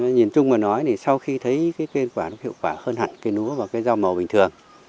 nhìn chung mà nói sau khi thấy kinh quả hiệu quả hơn hẳn cây núa và cây rau màu bình thường